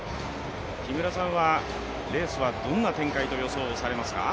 木村さんはレースはどんな展開と予想されますか。